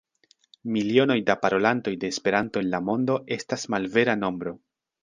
Milionoj da parolantoj de Esperanto en la mondo estas malvera nombro.